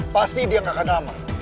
pasti dia gak akan aman